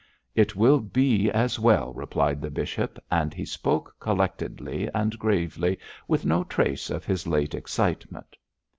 'It will be as well,' replied the bishop, and he spoke collectedly and gravely, with no trace of his late excitement.